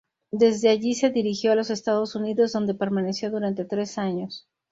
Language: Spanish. Desde allí se dirigió a los Estados Unidos, donde permaneció durante tres años.